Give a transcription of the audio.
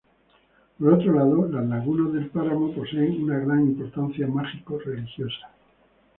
Por otro lado, las lagunas del páramo poseen una gran importancia mágico-religiosa.